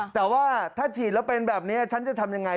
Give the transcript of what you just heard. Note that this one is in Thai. แต่ว่าถ้าฉีดแล้วเป็นแบบนี้ฉันจะทำยังไง